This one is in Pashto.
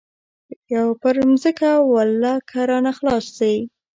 پر ځمکه ولله که رانه خلاص سي.